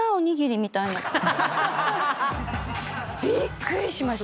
びっくりしました！